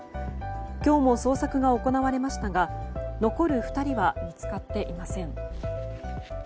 今日も捜索が行われましたが残る２人は見つかっていません。